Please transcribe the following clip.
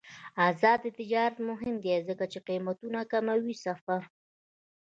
آزاد تجارت مهم دی ځکه چې قیمتونه کموي سفر.